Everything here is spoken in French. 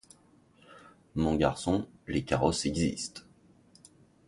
Mon garçon, les carrosses existent.